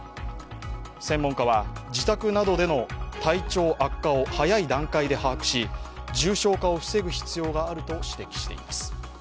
専門家は、自宅などでの体調悪化を早い段階で把握し重症化を防ぐ必要があると指摘しています。